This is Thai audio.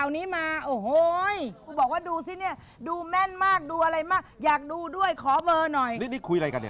นี่คุยอะไรกันเนี่ย